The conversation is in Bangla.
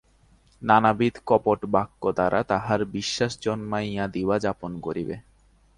নানাবিধ কপট বাক্য দ্বারা তাহার বিশ্বাস জন্মাইয়া দিবা যাপন করিবে।